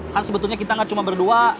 kan sebetulnya kita gak cuma berdua